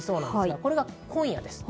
これが今夜です。